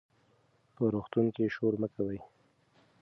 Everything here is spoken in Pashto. په روغتون کې شور مه کوئ.